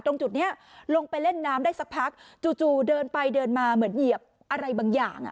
ตรงจุดนี้ลงไปเล่นน้ำได้สักพักจู่เดินไปเดินมาเหมือนเหยียบอะไรบางอย่าง